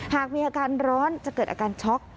หากมีอาการร้อนจะเกิดอาการช็อก